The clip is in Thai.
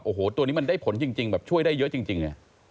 คุณนาฑพงษ์รู้แล้วว่าตัวนี้มันยึดทางช่วยได้เยอะจริง